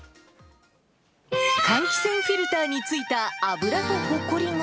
換気扇フィルターについた油とほこりが。